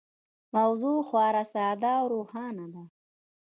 موضوع خورا ساده او روښانه ده.